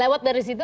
lewat dari situ